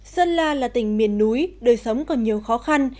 sơn la là tỉnh miền núi đời sống còn nhiều khó khăn